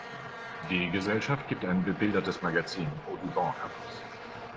Die Gesellschaft gibt ein bebildertes Magazin, "Audubon", heraus.